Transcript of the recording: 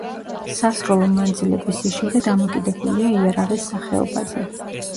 სასროლო მანძილების სიშორე დამოკიდებულია იარაღის სახეობაზე.